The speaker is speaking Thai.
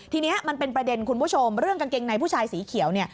ทีนี้มันเป็นประเด็นคุณผู้ชมเรื่องกางเกงในผู้ชายสีเขียวเนี่ย